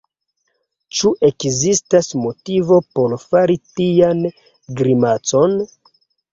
Ĉu ekzistas motivo por fari tian grimacon?